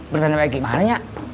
bertanda baik gimana